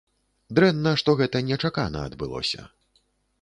Дрэнна, што гэта нечакана адбылося.